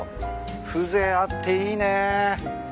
風情あっていいね。